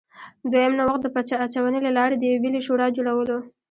دویم نوښت د پچه اچونې له لارې د یوې بلې شورا جوړول و